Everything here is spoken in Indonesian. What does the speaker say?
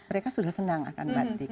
mereka sudah senang akan banding